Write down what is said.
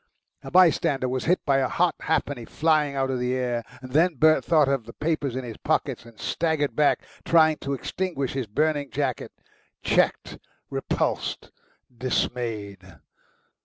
A bystander was hit by a hot halfpenny flying out of the air. Then Bert thought of the papers in his pockets, and staggered back, trying to extinguish his burning jacket checked, repulsed, dismayed.